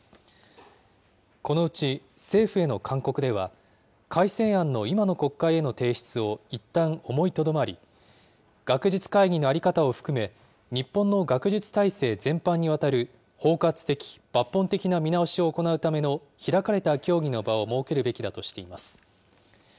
このうち政府への勧告では、改正案の今の国会への提出をいったん思いとどまり、学術会議の在り方を含め、日本の学術体制全般にわたる包括的・抜本的な見直しを行うための開かれた協議の場を設けるべきだとしています。